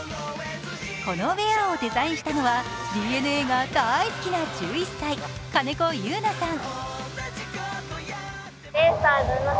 このウェアをデザインしたのは、ＤｅＮＡが大好きな１１歳、金子ゆうなさん。